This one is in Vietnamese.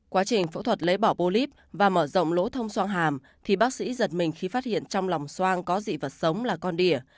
quá trình phẫu thuật lấy bỏ bô líp và mở rộng lỗ thông song hàm thì bác sĩ giật mình khi phát hiện trong lòng soang có dị vật sống là con đỉa